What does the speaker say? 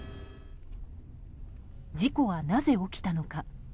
事故は、なぜ起きたのか。